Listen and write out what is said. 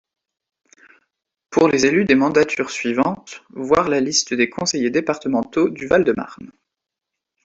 Pour les élus des mandatures suivantes, voir la liste des conseillers départementaux du Val-de-Marne.